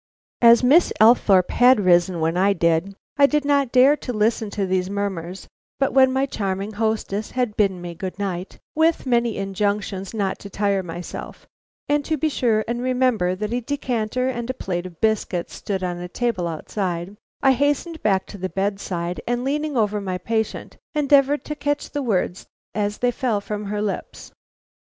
As Miss Althorpe had risen when I did, I did not dare to listen to these murmurs, but when my charming hostess had bidden me good night, with many injunctions not to tire myself, and to be sure and remember that a decanter and a plate of biscuits stood on a table outside, I hastened back to the bedside, and leaning over my patient, endeavored to catch the words as they fell from her lips.